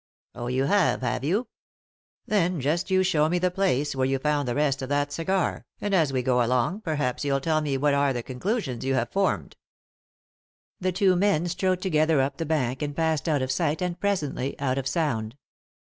"Oh you have, have you? Then just you show me the place where you found the rest of that cigar, and as we go along perhaps you'll tell me what are the conclusions you have formed." The two men strode together up the bank, and passed out of sight, and, presently, out of sound.